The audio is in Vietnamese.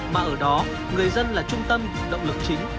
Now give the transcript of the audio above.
mà ở đó người dân là trung tâm động lực chính